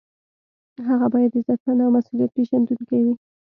هغه باید عزتمند او مسؤلیت پیژندونکی وي.